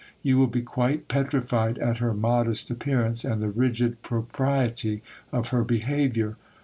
You will be quite petrified at her modest appearance, and the rigid propriety of her behaviour.